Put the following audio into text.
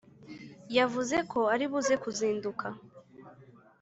yavuze ko ari buze kuzinduka